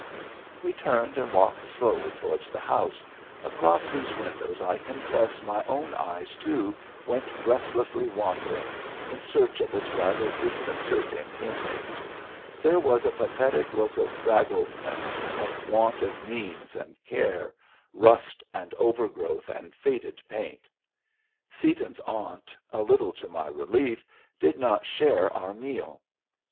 We turned and walked slowly towards the house, across whose windows I confess my own eyes, too, went restlessly wandering in search of its rather disconcerting inmate. There was a pathetic look of draggledness, of want of means and care, rust and overgrowth and faded paint. Seaton's aunt, a little to my relief, did not share our meal.